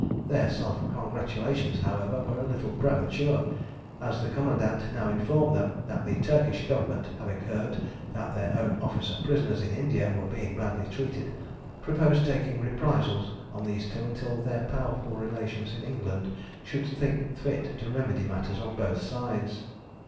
Their self congratulations, however, were a little premature, as the commandant now informed them that the Turkish Government, having heard that their own officer prisoners in India were being badly treated, proposed taking reprisals on these two until their powerful relations in England should think fit to remedy matters on both sides.